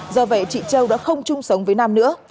do vậy chị châu đã không chung sống với nam nữa